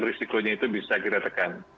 risikonya itu bisa kita tekan